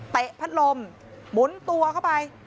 เตะพัดลมหมุนตัวก็ไป